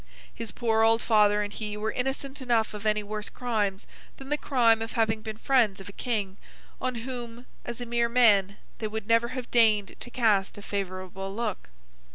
His poor old father and he were innocent enough of any worse crimes than the crime of having been friends of a King, on whom, as a mere man, they would never have deigned to cast a favourable look.